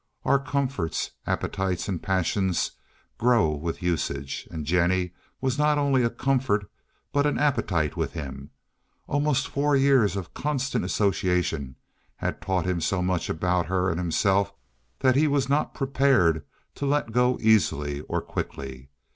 Our comforts, appetites and passions grow with usage, and Jennie was not only a comfort, but an appetite, with him. Almost four years of constant association had taught him so much about her and himself that he was not prepared to let go easily or quickly.